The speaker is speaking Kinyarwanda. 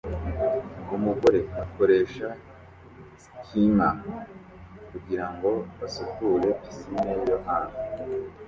Umugore akoresha skimmer kugirango asukure pisine yo hanze